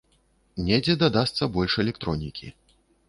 Недзе дадасца больш электронікі.